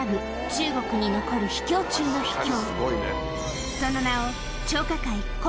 中国に残る秘境中の秘境